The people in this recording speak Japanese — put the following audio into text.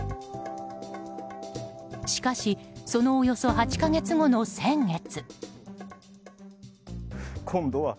しかし、そのおよそ８か月後の先月。